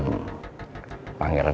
untuk menerima uang